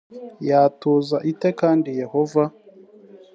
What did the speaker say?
yatuza ite kandi yehova